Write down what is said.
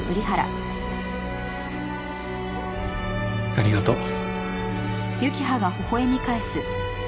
ありがとう。